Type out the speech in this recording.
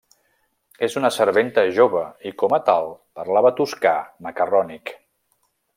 És una serventa jove i com a tal parlava toscà macarrònic.